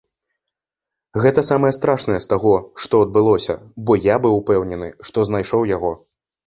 Гэта самае страшнае з таго, што адбылося, бо я быў упэўнены, што знайшоў яго.